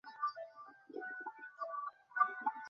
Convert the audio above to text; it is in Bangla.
হ্যাঁ, মনে হচ্ছে টিমে অই মেয়েটাও আছে।